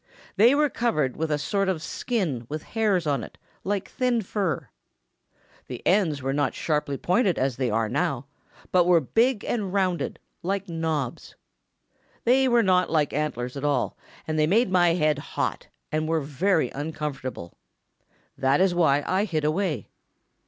They were covered with a sort of skin with hairs on it like thin fur. The ends were not sharply pointed as they now are, but were big and rounded, like knobs. They were not like antlers at all, and they made my head hot and were very uncomfortable. That is why I hid away.